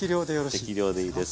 適量でいいです。